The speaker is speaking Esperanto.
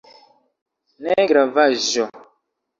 Ne gravaĵo?